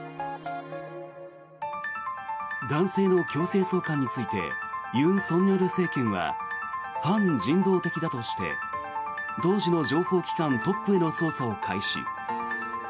男性の強制送還について尹錫悦政権は反人道的だとして当時の情報機関トップへの捜査を開始。